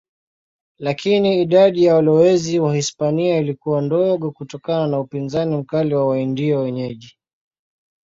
Lakini idadi ya walowezi Wahispania ilikuwa ndogo kutokana na upinzani mkali wa Waindio wenyeji.